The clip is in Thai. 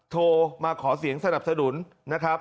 โทรมาขอเสียงสนับสนุนนะครับ